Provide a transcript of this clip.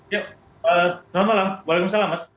ya selamat malam waalaikumsalam mas